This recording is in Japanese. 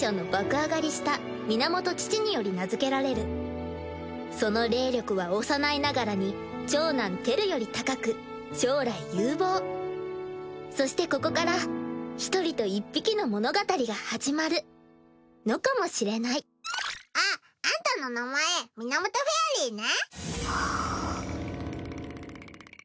上がりした源父により名づけられるその霊力は幼いながらに長男・輝より高く将来有望そしてここから一人と一匹の物語が始まるのかもしれないあっあんたの名前源ふぇありーね